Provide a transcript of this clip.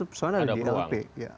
persoalannya di lp